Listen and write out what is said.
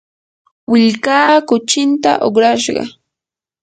willkaa kuchinta uqrashqa.